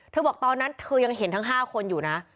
บอกตอนนั้นเธอยังเห็นทั้ง๕คนอยู่นะ